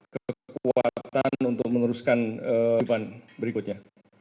kekuatan untuk meneruskan event berikutnya